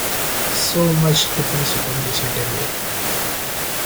So much depends upon this interview.